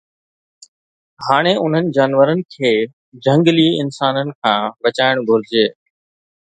هاڻي انهن جانورن کي جهنگلي انسانن کان بچائڻ گهرجي